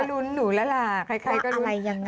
ก็รุ้นหนูและลาใครก็รุ้นว่าอะไรยังไง